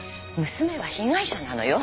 娘は被害者なのよ。